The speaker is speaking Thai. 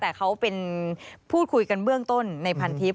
แต่เขาเป็นพูดคุยกันเบื้องต้นในพันทิพย